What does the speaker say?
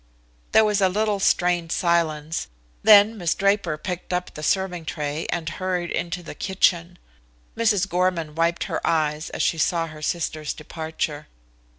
There was a little strained silence, then Miss Draper picked up the serving tray and hurried into the kitchen. Mrs. Gorman wiped her eyes as she saw her sister's departure.